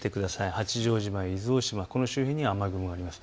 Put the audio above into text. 八丈島、伊豆大島、この周辺には雨雲があります。